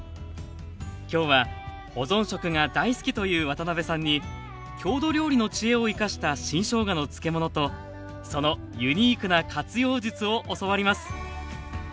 今日は保存食が大好きという渡辺さんに郷土料理の知恵を生かした新しょうがの漬物とそのユニークな活用術を教わります。